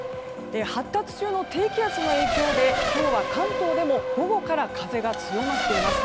発達中の低気圧の影響で今日は関東でも午後から風が強まっています。